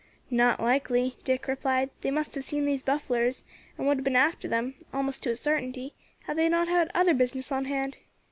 "Not likely," Dick replied; "they must have seen these bufflars, and would have been after them, almost to a sartinty, had they not had other business on hand.